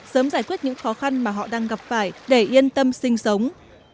sớm giải quyết những khó khăn mà họ đang gặp phải để yên tâm sinh sống